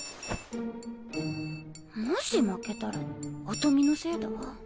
もし負けたら音美のせいだわ。